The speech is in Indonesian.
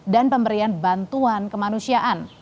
dan pemberian bantuan kemanusiaan